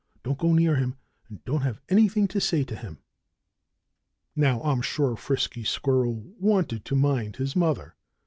Don't go near him, and don't have anything to say to him." Now, I'm sure Frisky Squirrel wanted to mind his mother.